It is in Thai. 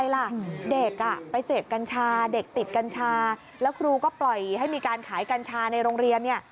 แล้วครูก็ปล่อยให้มีการขายกัญชาในโรงเรียน